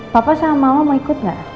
papa sama mama mau ikut nggak